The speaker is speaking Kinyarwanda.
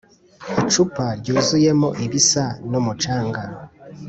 icupa ryuzuyemo ibisa n'umucanga.